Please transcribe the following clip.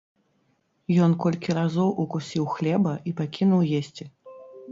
Ён колькі разоў укусіў хлеба і пакінуў есці.